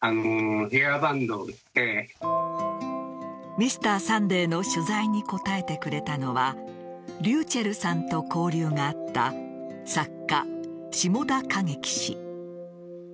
「Ｍｒ．サンデー」の取材に答えてくれたのはｒｙｕｃｈｅｌｌさんと交流があった作家・志茂田景樹氏。